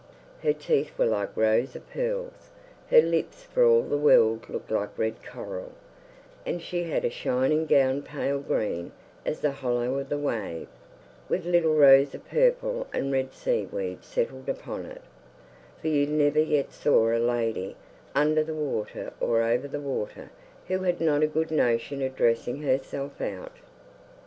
Her teeth were like rows of pearls; her lips for all the world looked like red coral; and she had a shining gown pale green as the hollow of the wave, with little rows of purple and red seaweeds settled out upon it; for you never yet saw a lady, under the water or over the water, who had not a good notion of dressing herself out.